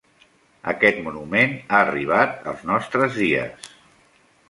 Aquest monument ha arribat als nostres dies.